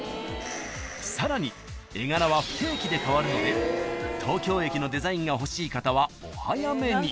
［さらに絵柄は不定期で変わるので東京駅のデザインが欲しい方はお早めに］